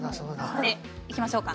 いきましょうか。